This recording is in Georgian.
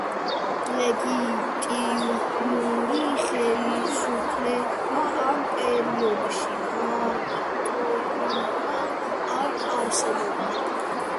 ლეგიტიმური ხელისუფლება ამ პერიოდში ფაქტობრივად არ არსებობდა.